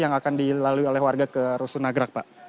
yang akan dilalui oleh warga ke rusunagrak pak